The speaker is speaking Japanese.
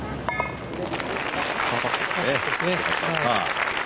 パーパットですね、パー。